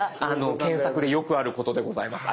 検索でよくあることでございます。